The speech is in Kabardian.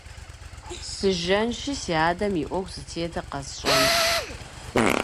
Сыжэнщи си адэм и Ӏуэху зытетыр къэсщӀэнщ.